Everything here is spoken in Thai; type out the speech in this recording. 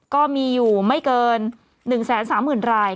ก็มีอยู่ไม่เกิน๑๓๐๐๐ราย